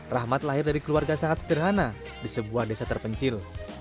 rahmat lahir dari keluarga sangat sederhana di sebuah desa terpencil